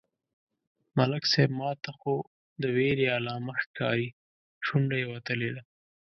_ملک صيب! ماته خو د وېرې علامه ښکاري، شونډه يې وتلې ده.